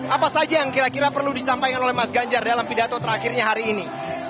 apa saja yang kira kira perlu disampaikan oleh mas ganjar dalam pidato terakhirnya hari ini